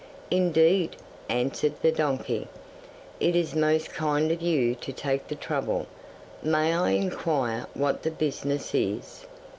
'"Indeed," answered the donkey, "it is most kind of you to take the trouble. May I inquire what the business is?"